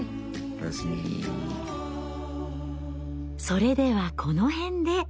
それではこの辺で。